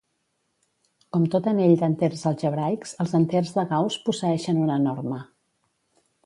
Com tot anell d'enters algebraics, els enters de Gauss posseeixen una norma.